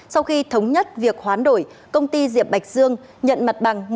sau khi thống nhất việc hoán đổi công ty diệp bạch dương nhận mặt bằng